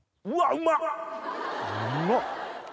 うまっ。